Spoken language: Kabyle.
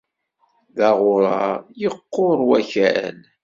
D aɣurar, iqqur wakal.